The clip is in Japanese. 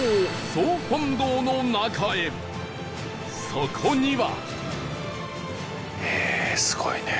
そこには